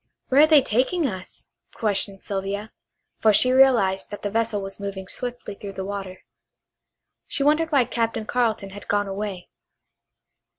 "Where are they taking us?" questioned Sylvia, for she realized that the vessel was moving swiftly through the water. She wondered why Captain Carleton had gone away.